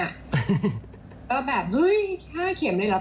ก็แบบหึ้ย๕เขมเลยแล้ว